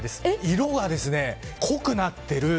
色が濃くなっている。